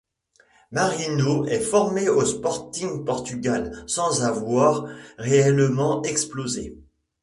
Marinho est formé au Sporting Portugal sans avoir réellement explosé.